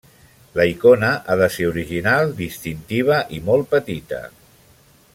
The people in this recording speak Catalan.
La icona ha de ser original, distintiva i molt petita.